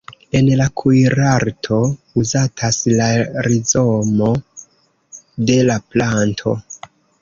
En la kuirarto uzatas la rizomo de la planto.